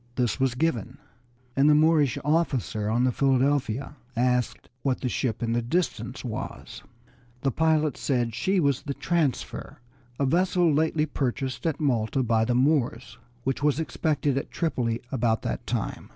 This was given, and the Moorish officer on the Philadelphia asked what the ship in the distance was. The pilot said that she was the Transfer, a vessel lately purchased at Malta by the Moors, which was expected at Tripoli about that time.